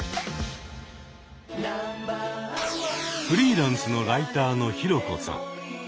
フリーランスのライターのヒロコさん。